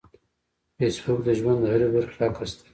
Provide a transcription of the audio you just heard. فېسبوک د ژوند د هرې برخې عکس دی